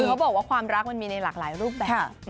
คือเขาบอกว่าความรักมันมีในหลากหลายรูปแบบ